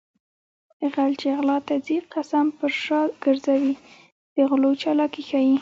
غل چې غلا ته ځي قسم پر شا ګرځوي د غلو چالاکي ښيي